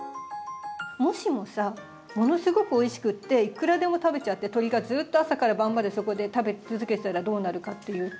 もしもさものすごくおいしくっていくらでも食べちゃって鳥がずっと朝から晩までそこで食べ続けてたらどうなるかっていうと？